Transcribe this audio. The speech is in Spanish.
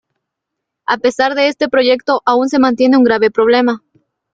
A pesar de este proyecto aún se mantiene un grave problema.